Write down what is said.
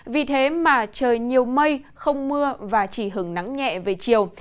vì thế mà trời nhiều mây không mưa và chỉ hứng nắng nhẹ về chiều